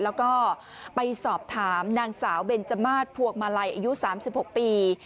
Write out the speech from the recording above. แล้วก็ไปสอบถามนางสาวเบนจมาสพวงมาลัยอายุ๓๖ปี